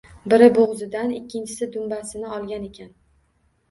Biri bo`g`zidan, ikkinchisi dumbasini olgan ekan